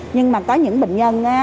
nhưng mà có những bệnh nhân thì